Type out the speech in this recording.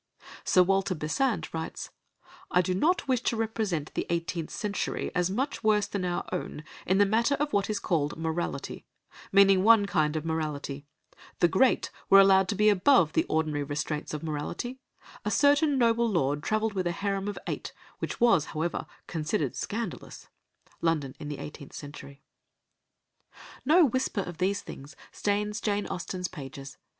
Sir Walter Besant writes: "I do not wish to represent the eighteenth century as much worse than our own in the matter of what is called morality, meaning one kind of morality. The 'great' were allowed to be above the ordinary restraints of morality. A certain noble lord travelled with a harem of eight, which was, however, considered scandalous." (London in the Eighteenth Century.) No whisper of these things stains Jane Austen's pages.